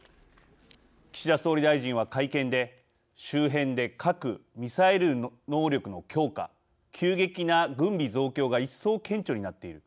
岸田総理大臣は会見で「周辺で核・ミサイル能力の強化急激な軍備増強が一層顕著になっている。